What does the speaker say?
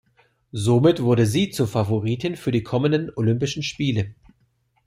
Somit wurde sie zur Favoritin für die kommenden Olympischen Spiele.